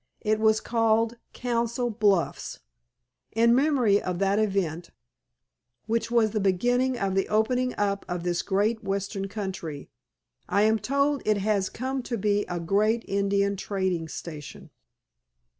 It was called Council Bluffs in memory of that event, which was the beginning of the opening up of this great western country. I am told it has come to be a great Indian trading station."